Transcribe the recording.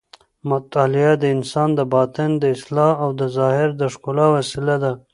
مطالعه د انسان د باطن د اصلاح او د ظاهر د ښکلا وسیله ده.